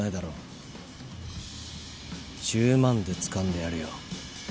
１０万でつかんでやるよ！